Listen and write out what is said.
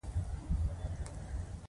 آیا دا د سیمې لپاره ښه خبر نه دی؟